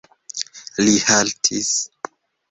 Li haltis.